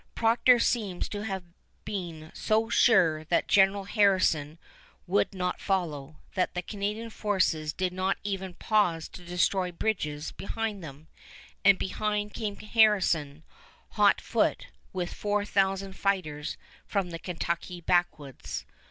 Procter seems to have been so sure that General Harrison would not follow, that the Canadian forces did not even pause to destroy bridges behind them; and behind came Harrison, hot foot, with four thousand fighters from the Kentucky backwoods.